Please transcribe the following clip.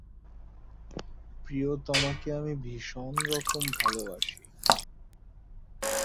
উদ্ভিদবিজ্ঞান বা উদ্ভিদ-জীববিদ্যা হচ্ছে জীববিজ্ঞানের একটি শাখা যা জীবন্ত উদ্ভিদের বিষয়ে বৈজ্ঞানিক নিরীক্ষণ সংক্রান্ত কাজ করে থাকে।